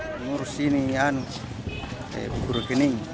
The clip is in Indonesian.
menurut sini saya berdekening